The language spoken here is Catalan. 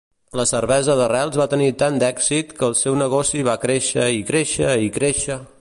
La cervesa d'arrels va tenir tant d'èxit que el seu negoci va créixer, i créixer, i créixer!